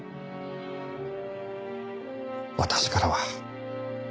私からは。